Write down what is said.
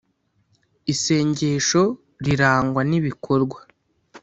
isengesho rirangwa n'ibikorwa